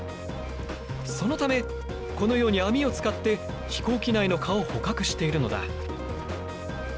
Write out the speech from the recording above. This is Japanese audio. そのためこのように網を使って飛行機内の蚊を捕獲しているのだ。